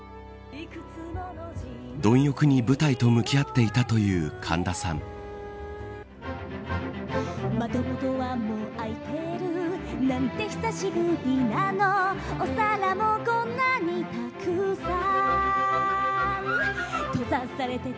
貪欲に舞台と向き合っていたという神田さん。